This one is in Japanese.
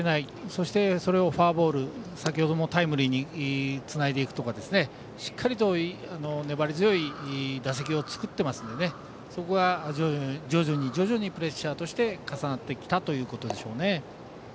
そして、それをフォアボールや先程もタイムリーにつないでいくとかしっかりと粘り強い打席を作ってますのでそこが徐々にプレッシャーとして重なってきたということでしょう。